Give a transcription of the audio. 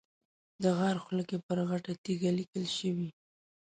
د غار خوله کې پر غټه تیږه لیکل شوي.